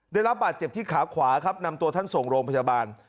ได้รับบาดเจ็บที่ขาขวาครับนำตัวท่านส่งโรงพยาบาล